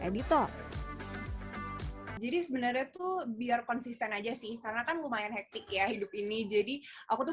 editor jadi sebenarnya tuh biar konsisten aja sih karena kan lumayan hektik ya hidup ini jadi aku tuh